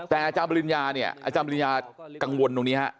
แต่อาจารย์ปริญญาเนี่ยอาจารย์ปริญญากังวลตรงนี้ฮะ